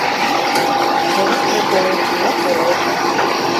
Шеренге колет — мо колет?